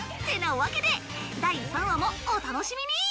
わけで第３話もお楽しみに！